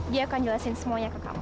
dia akan jelasin semuanya ke kamu